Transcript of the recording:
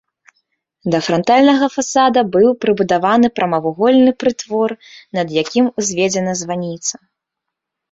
Да франтальнага фасада быў прыбудаваны прамавугольны прытвор, над якім узведзена званіца.